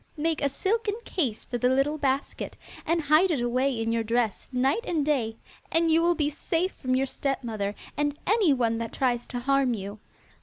Make a silken case for the little basket, and hide it away in your dress night and day and you will be safe from your stepmother and anyone that tries to harm you.